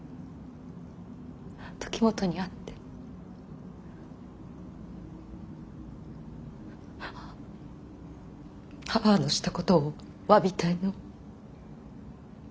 時元に会って母のしたことをわびたいの。